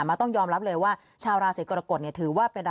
ไม่ต้องเก็บไว้ก่อน